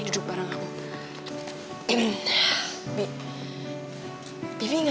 depan ada yang bawa bawa